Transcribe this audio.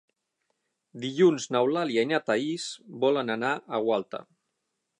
Dilluns n'Eulàlia i na Thaís volen anar a Gualta.